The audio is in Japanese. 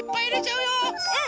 うん。